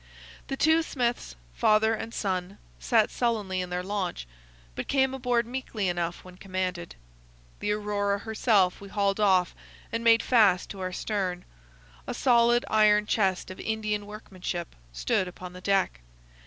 The two Smiths, father and son, sat sullenly in their launch, but came aboard meekly enough when commanded. The Aurora herself we hauled off and made fast to our stern. A solid iron chest of Indian workmanship stood upon the deck.